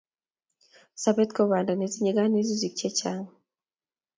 Sopet ko panda netinyei kanetutik che chang